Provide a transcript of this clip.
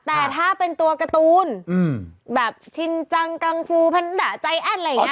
แต่ถ้าเป็นตัวการ์ตูนแบบชินจังกังฟูพันดะใจแอ้นอะไรอย่างนี้